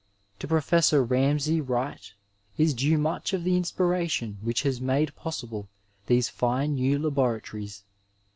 To Professor Ramsay Wright is due much of the inspiration which has made possible these fine new laboratories.